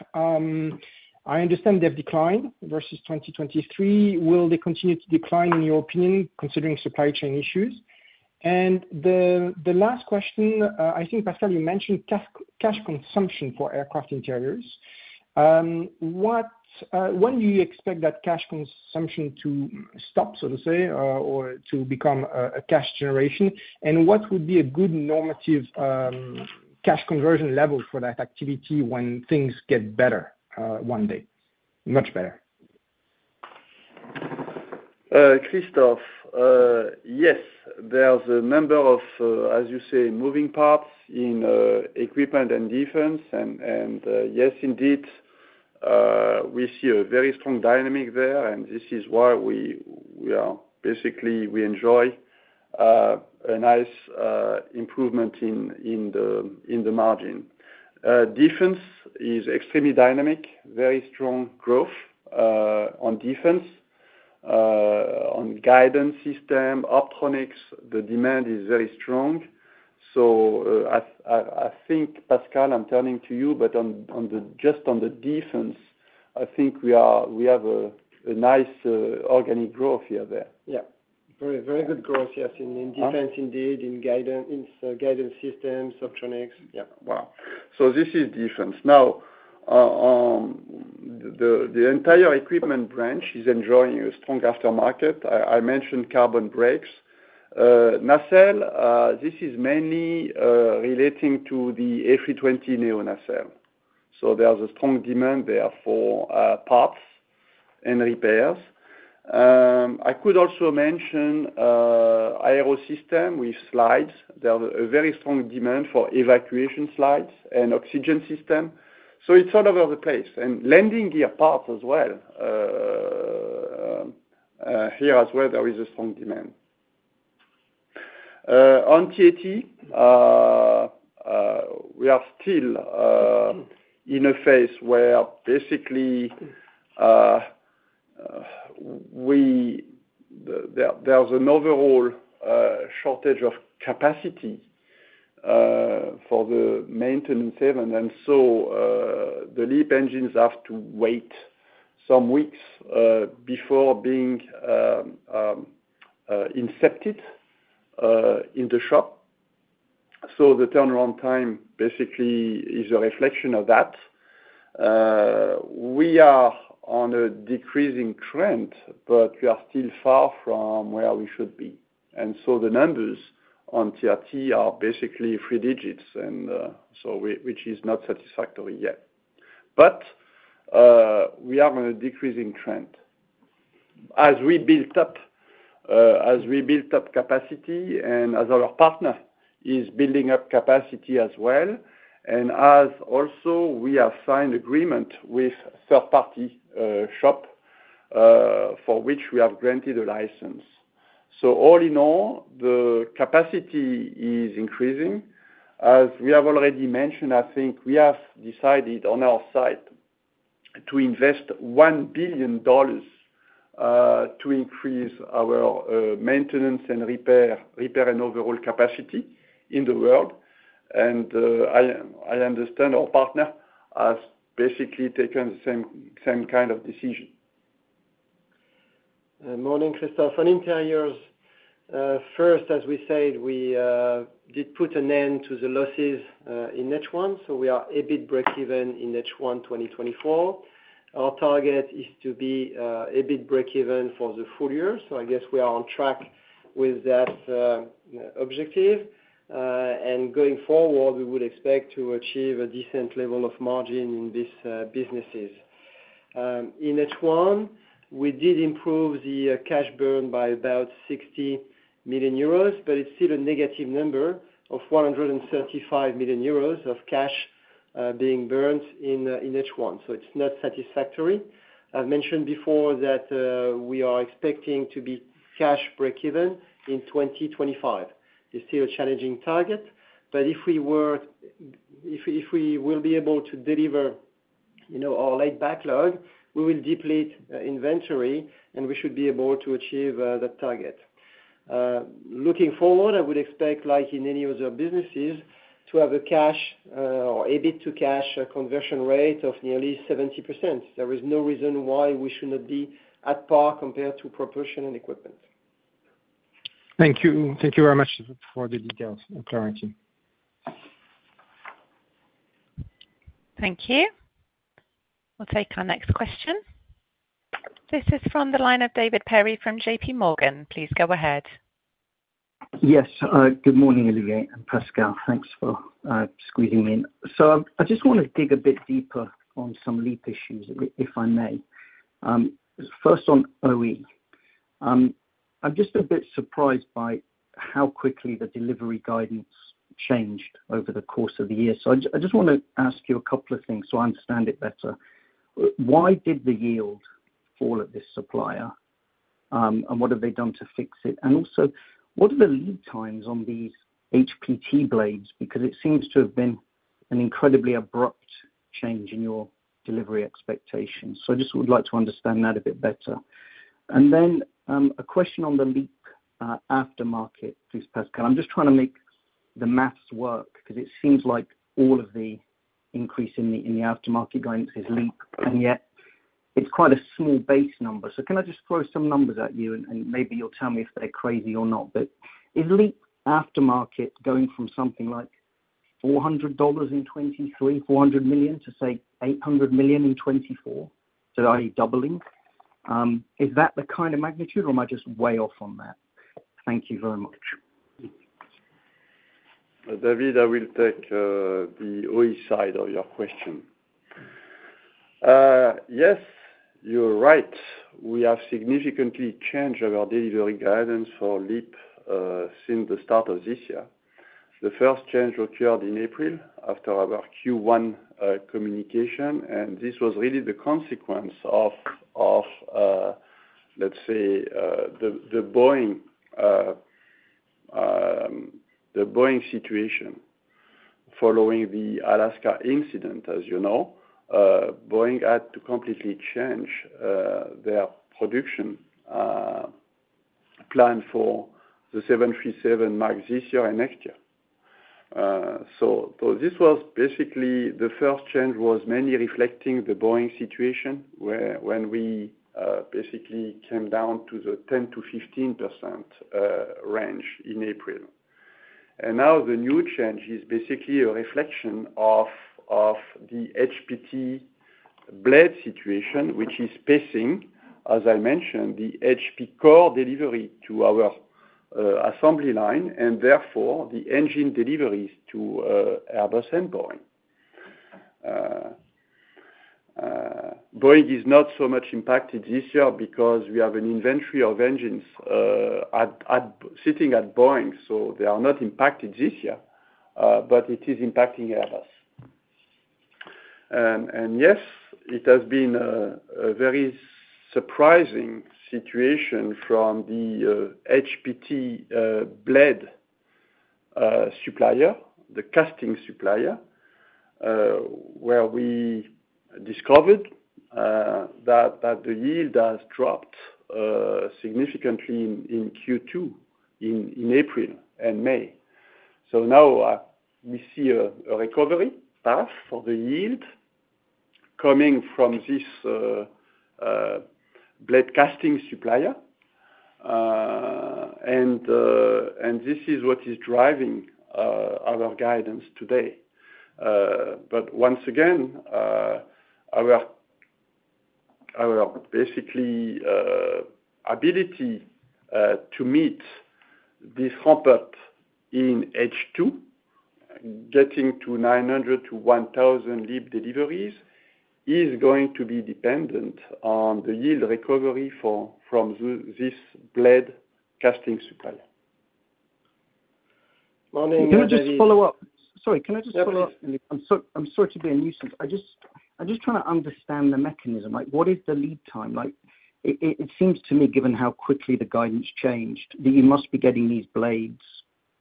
[SPEAKER 11] I understand they've declined versus 2023. Will they continue to decline, in your opinion, considering supply chain issues? And the last question, I think, Pascal, you mentioned cash consumption for aircraft interiors. When do you expect that cash consumption to stop, so to say, or to become a cash generation? What would be a good normative cash conversion level for that activity when things get better one day, much better?
[SPEAKER 2] Christophe, yes, there's a number of, as you say, moving parts in equipment and defense. Yes, indeed, we see a very strong dynamic there. This is why we are basically we enjoy a nice improvement in the margin. Defense is extremely dynamic, very strong growth on defense, on guidance system, optronics. The demand is very strong. So I think, Pascal, I'm turning to you, but just on the defense, I think we have a nice organic growth here there.
[SPEAKER 11] Yeah. Very good growth, yes, in defense, indeed, in guidance systems, optronics. Yeah.
[SPEAKER 2] Wow. So this is defense. Now, the entire equipment branch is enjoying a strong aftermarket. I mentioned carbon brakes. Nacelle, this is mainly relating to the A320neo nacelle. So there's a strong demand there for parts and repairs. I could also mention aerosystem with slides. There's a very strong demand for evacuation slides and oxygen system. So it's all over the place. And landing gear parts as well. Here as well, there is a strong demand. On TAT, we are still in a phase where basically there's an overall shortage of capacity for the maintenance even. And so the LEAP engines have to wait some weeks before being incepted in the shop. So the turnaround time basically is a reflection of that. We are on a decreasing trend, but we are still far from where we should be. So the numbers on TAT are basically three digits, which is not satisfactory yet. But we are on a decreasing trend. As we build up capacity and as our partner is building up capacity as well, and as also we have signed agreement with a third-party shop for which we have granted a license. So all in all, the capacity is increasing. As we have already mentioned, I think we have decided on our side to invest $1 billion to increase our maintenance and repair and overall capacity in the world. And I understand our partner has basically taken the same kind of decision.
[SPEAKER 3] Morning, Christophe. On interiors, first, as we said, we did put an end to the losses in H1. So we are EBIT break-even in H1 2024. Our target is to be EBIT break-even for the full year. So I guess we are on track with that objective. And going forward, we would expect to achieve a decent level of margin in these businesses. In H1, we did improve the cash burn by about 60 million euros, but it's still a negative number of 135 million euros of cash being burnt in H1. So it's not satisfactory. I've mentioned before that we are expecting to be cash break-even in 2025. It's still a challenging target. But if we will be able to deliver our late backlog, we will deplete inventory, and we should be able to achieve that target. Looking forward, I would expect, like in any other businesses, to have a cash or EBIT to cash conversion rate of nearly 70%. There is no reason why we should not be at par compared to propulsion and equipment.
[SPEAKER 11] Thank you. Thank you very much for the details and clarity.
[SPEAKER 1] Thank you. We'll take our next question. This is from the line of David Perry from JPMorgan. Please go ahead.
[SPEAKER 12] Yes. Good morning, Olivier and Pascal. Thanks for squeezing me in. So I just want to dig a bit deeper on some LEAP issues, if I may. First, on OE. I'm just a bit surprised by how quickly the delivery guidance changed over the course of the year. So I just want to ask you a couple of things so I understand it better. Why did the yield fall at this supplier, and what have they done to fix it? And also, what are the lead times on these HPT blades? Because it seems to have been an incredibly abrupt change in your delivery expectations. So I just would like to understand that a bit better. And then a question on the LEAP aftermarket, please, Pascal. I'm just trying to make the math work because it seems like all of the increase in the aftermarket guidance is LEAP, and yet it's quite a small base number. So can I just throw some numbers at you, and maybe you'll tell me if they're crazy or not, but is LEAP aftermarket going from something like $400 million in 2023, to say $800 million in 2024? So are you doubling? Is that the kind of magnitude, or am I just way off on that? Thank you very much.
[SPEAKER 2] David, I will take the OE side of your question. Yes, you're right. We have significantly changed our delivery guidance for LEAP since the start of this year. The first change occurred in April after our Q1 communication, and this was really the consequence of, let's say, the Boeing situation following the Alaska incident, as you know. Boeing had to completely change their production plan for the 737 MAX this year and next year. So this was basically the first change was mainly reflecting the Boeing situation when we basically came down to the 10%-15% range in April. And now the new change is basically a reflection of the HPT blade situation, which is pacing, as I mentioned, the HP core delivery to our assembly line, and therefore the engine deliveries to Airbus and Boeing. Boeing is not so much impacted this year because we have an inventory of engines sitting at Boeing, so they are not impacted this year, but it is impacting Airbus. Yes, it has been a very surprising situation from the HPT blade supplier, the casting supplier, where we discovered that the yield has dropped significantly in Q2 in April and May. Now we see a recovery path for the yield coming from this blade casting supplier. This is what is driving our guidance today. Once again, our basically ability to meet this ramp-up in H2, getting to 900-1,000 LEAP deliveries, is going to be dependent on the yield recovery from this blade casting supplier.
[SPEAKER 12] Can I just follow up? Sorry, can I just follow up? I'm sorry to be a nuisance. I'm just trying to understand the mechanism. What is the lead time? It seems to me, given how quickly the guidance changed, that you must be getting these blades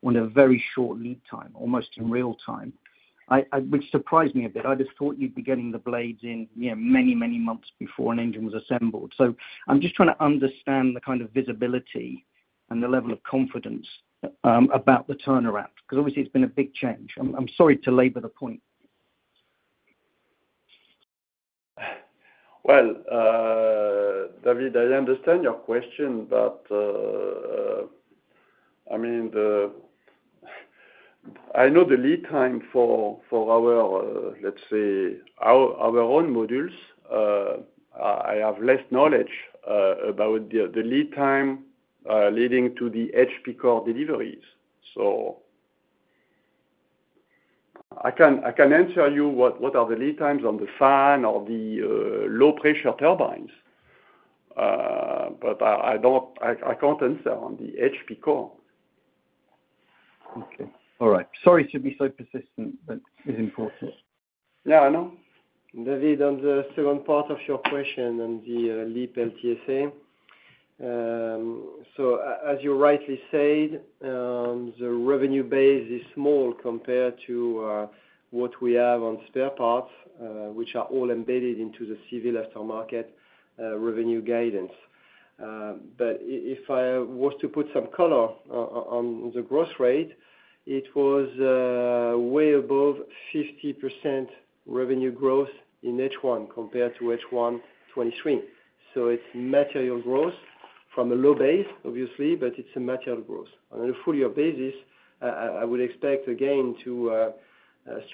[SPEAKER 12] on a very short lead time, almost in real time, which surprised me a bit. I just thought you'd be getting the blades in many, many months before an engine was assembled. So I'm just trying to understand the kind of visibility and the level of confidence about the turnaround because, obviously, it's been a big change. I'm sorry to labor the point.
[SPEAKER 2] Well, David, I understand your question, but I mean, I know the lead time for our, let's say, our own modules. I have less knowledge about the lead time leading to the HP core deliveries. So I can answer you what are the lead times on the fan or the low-pressure turbines, but I can't answer on the HP Core.
[SPEAKER 12] Okay. All right. Sorry to be so persistent, but it's important.
[SPEAKER 2] Yeah, I know.
[SPEAKER 3] David, on the second part of your question on the LEAP LTSA, so as you rightly said, the revenue base is small compared to what we have on spare parts, which are all embedded into the civil aftermarket revenue guidance. But if I was to put some color on the growth rate, it was way above 50% revenue growth in H1 compared to H1 2023. So it's material growth from a low base, obviously, but it's a material growth. On a full year basis, I would expect, again, to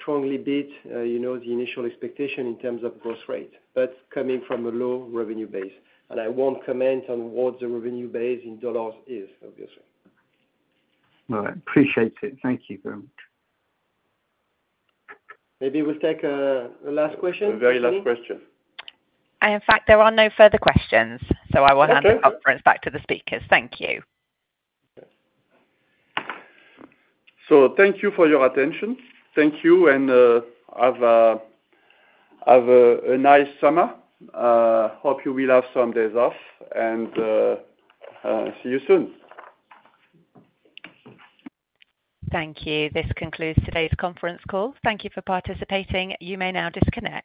[SPEAKER 3] strongly beat the initial expectation in terms of growth rate, but coming from a low revenue base. And I won't comment on what the revenue base in dollars is, obviously.
[SPEAKER 12] All right. Appreciate it. Thank you very much.
[SPEAKER 3] Maybe we'll take a last question.
[SPEAKER 2] A very last question.
[SPEAKER 1] In fact, there are no further questions, so I will hand the conference back to the speakers. Thank you.
[SPEAKER 2] Thank you for your attention. Thank you, and have a nice summer. Hope you will have some days off, and see you soon.
[SPEAKER 1] Thank you. This concludes today's conference call. Thank you for participating. You may now disconnect.